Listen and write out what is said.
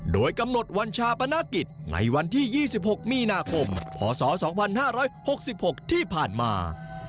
โดยกำหนดวันชาปนกิจในวันที่๒๖มีนาคมพศ๒๕๖๖ที่ผ่านมา